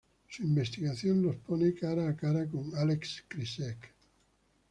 Su investigación los pone cara a cara con Alex Krycek.